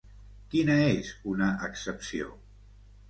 Quina és una excepció?